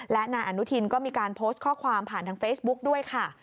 และนายอนุทินก็มีการโพสต์ข้อความผ่านทางเฟซบุ๊กด้วยค่ะ